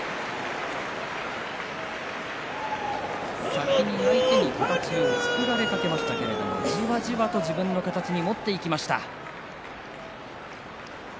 先に相手に形を作られかけましたけどじわじわと自分の形に持っていきました。